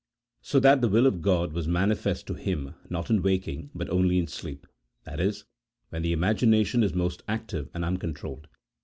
So that the will of God was manifest to him, not in waking, but only in sleep, that is, when the imagination is most active and uncontrolled.